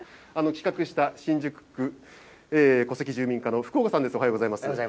企画した新宿区戸籍住民課の福岡おはようございます。